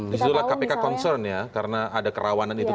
disuruh kpk concern ya karena ada kerawanan itu tadi ya